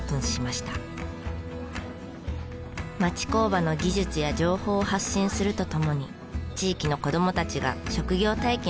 町工場の技術や情報を発信するとともに地域の子どもたちが職業体験をできる場所にしました。